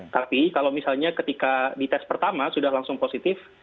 tapi kalau misalnya ketika di tes pertama sudah langsung positif